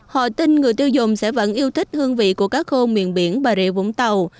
họ tin người tiêu dùng sẽ vẫn yêu thích hương vị của cá khô miền biển bà rịa vũng tàu